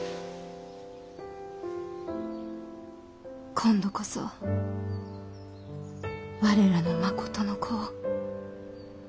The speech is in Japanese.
今度こそ我らのまことの子を！